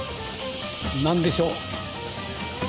何でしょう？